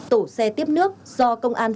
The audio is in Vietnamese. tổ xe tiếp nước do công an